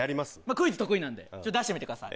クイズ得意なんで出してみてください。